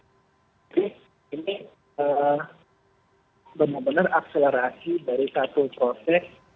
jadi ini benar benar akselerasi dari satu proses